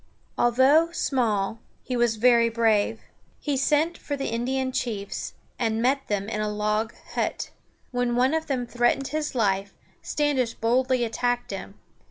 Though small, he was very brave. He sent for the Indian chiefs, and met them in a log hut. When one of them threatened his life, Standish boldly attacked him.